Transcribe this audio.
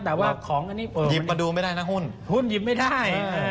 แต่ว่าของอันนี้หุ้นหยิบไม่ได้